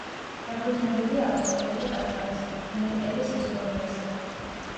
დაფუძნებულია ავსტრალიელი ყაჩაღის, ნედ კელის ისტორიაზე.